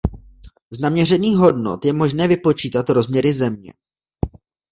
Z naměřených hodnot je možné vypočítat rozměry Země.